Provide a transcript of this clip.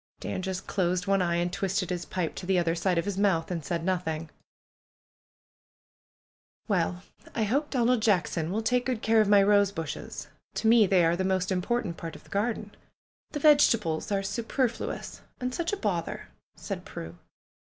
Dan just closed one eye and twisted his pipe to the other side of his mouth and said nothing. 174 PRUE'S GARDENER "Well! I hope Donald Jackson will take good care of my rose bushes. To me they are the most important part of the garden. The vegetables are superfluous, and such a bother!" said Prue.